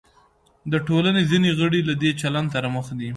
د ټولنې ځینې غړي له دې چلند سره مخ دي.